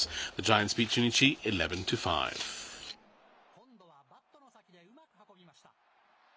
今度はバットの先でうまく運びました。